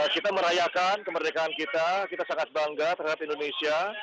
kita merayakan kemerdekaan kita kita sangat bangga terhadap indonesia